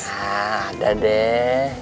hah ada deh